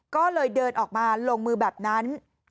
ก็เลยเดินออกมาลงมือแบบนั้น